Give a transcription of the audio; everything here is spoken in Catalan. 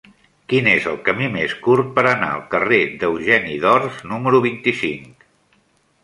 Quin és el camí més curt per anar al carrer d'Eugeni d'Ors número vint-i-cinc?